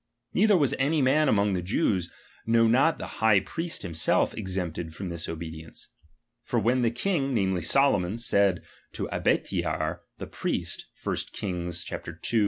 Neither was any man among the Jews, no not the high priest him self, exempted from this obedience. For when the DOMINION. 149 kiug, namely, Soloraou, said to Abiathar the priest i (1 Kings ii.